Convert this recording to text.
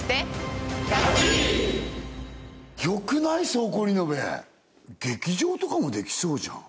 倉庫リノベ劇場とかもできそうじゃん